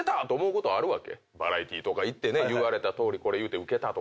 バラエティーとか行って言われたとおりこれ言うてウケたとか。